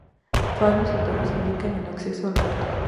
Faros y torres indican el acceso al puerto.